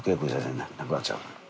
なくなっちゃうんだ。